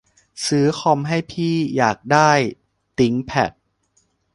ซื้อคอมให้พี่ อยากได้ ติ๊งแผด